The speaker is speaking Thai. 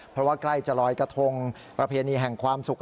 เพราะว่าใกล้จะลอยกระทงประเพณีแห่งความสุข